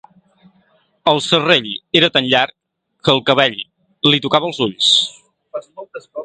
El serrell era tan llarg que el cabell li tocava els ulls